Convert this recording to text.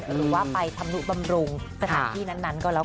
หรือว่าไปทำนุบำรุงสถานที่นั้นก็แล้วกัน